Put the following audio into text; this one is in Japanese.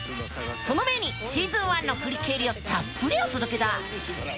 その前にシーズン１の振り返りをたっぷりお届けだ！